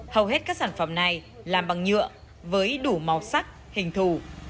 hầu hết các sản phẩm này làm bằng nhựa với đủ màu sắc hình thù